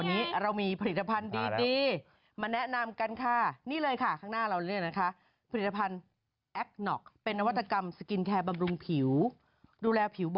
เดี๋ยวป๊อปมายังไม่มาเป็นอยู่ปะ